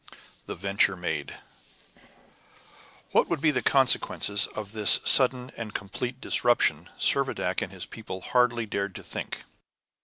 THE VENTURE MADE What would be the consequences of this sudden and complete disruption, Servadac and his people hardly dared to think.